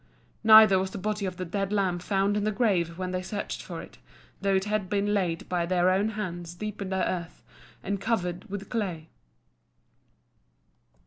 Neither was the body of the dead lamb found in the grave when they searched for it, though it had been laid by their own hands deep in the earth, and covered with clay.